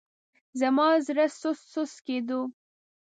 زما زړه سست سست کېدو.